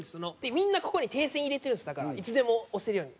みんなここに訂正印入れてるんですよだからいつでも押せるように。